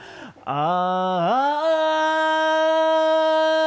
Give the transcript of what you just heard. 「ああ」